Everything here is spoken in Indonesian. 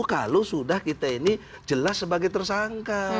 kalau sudah kita ini jelas sebagai tersangka